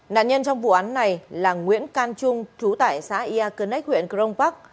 nạn nhân trong vụ án này là nguyễn can trung trú tại xã ia cơn êch huyện crong park